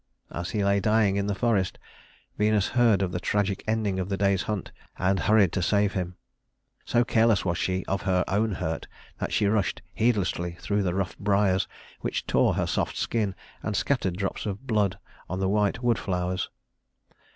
As he lay dying in the forest, Venus heard of the tragic ending of the day's hunt and hurried to save him. So careless was she of her own hurt that she rushed heedlessly through the rough briers, which tore her soft skin and scattered drops of blood on the white wood flowers.